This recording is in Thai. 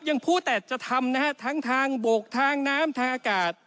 ยังพูดแต่จะทำนะฮะทั้งทางบกทางน้ำทางอากาศ